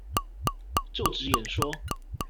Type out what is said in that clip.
就職演說